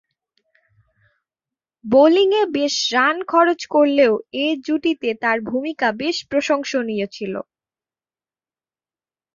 বোলিংয়ে বেশ রান খরচ করলেও এ জুটিতে তার ভূমিকা বেশ প্রশংসনীয় ছিল।